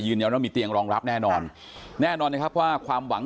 ว่ามีเตียงรองรับแน่นอนแน่นอนนะครับว่าความหวัง